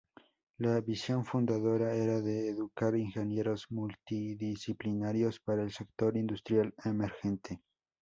La visión fundadora era de educar ingenieros multidisciplinarios para el sector industrial emergente.